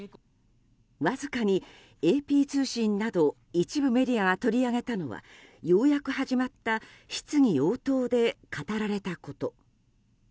わずかにＡＰ通信など一部メディアが取り上げたのはようやく始まった質疑応答で語られたこと。